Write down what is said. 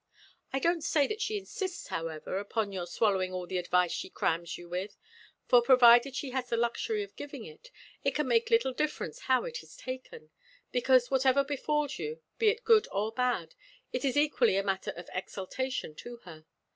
I don't say that she insists, however, upon your swallowing all the advice she crams you with; for, provided she has the luxury of giving it, it can make little difference how it is taken; because whatever befals you, be it good or bad, it is equally a matter of exultation to her.